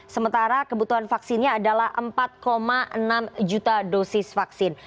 sementara kebutuhan vaksinnya adalah empat enam juta dosis vaksin